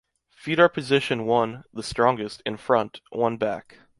Feet are position one (the strongest) in front, one back.